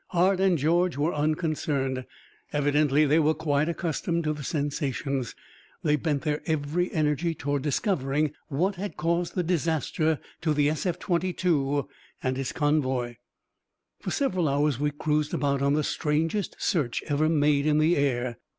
Hart and George were unconcerned. Evidently they were quite accustomed to the sensations. They bent their every energy toward discovering what had caused the disaster to the SF 22 and its convoy. For several hours we cruised about on the strangest search ever made in the air.